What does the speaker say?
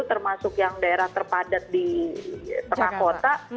termasuk yang daerah terpadat di tengah kota